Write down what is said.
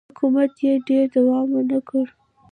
حکومت یې ډېر دوام ونه کړ.